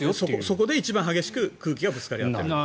そこで一番空気がぶつかり合っている。